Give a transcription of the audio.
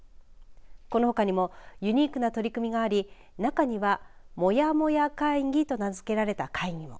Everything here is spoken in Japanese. このほかにもユニークな取り組みがあり中には、モヤモヤ会議と名付けられた会議も。